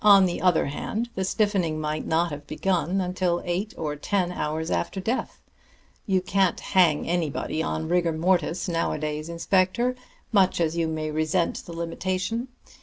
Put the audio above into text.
On the other hand, the stiffening might not have begun until eight or ten hours after death. You can't hang anybody on rigor mortis nowadays, inspector, much as you may resent the limitation.